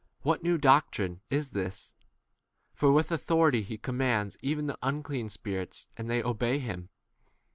what new doctrine is this ? for with authority he com mands even the unclean spirits 28 and they obey him.